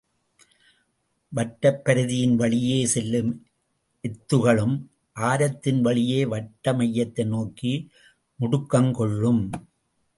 வட்டப் பரிதியின் வழியே செல்லும் எத்துகளும் ஆரத்தின் வழியே வட்டமையத்தை நோக்கி முடுக்கங் கொள்ளும்.